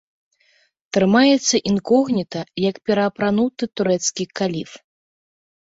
Трымаецца інкогніта, як пераапрануты турэцкі каліф.